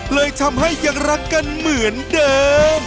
เลยทำให้ยังรักกันเหมือนเดิม